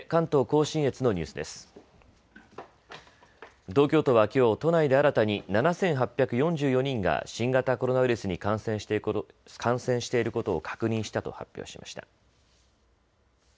東京都はきょう都内で新たに７８４４人が新型コロナウイルスに感染していることを確認したと発表しました。